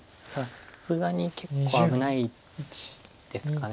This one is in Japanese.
さすがに結構危ないですかね。